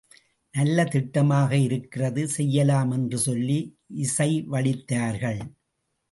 நல்ல திட்டமாக இருக்கிறது செய்யலாம் என்று சொல்லி இசைவளித்தார்கள்.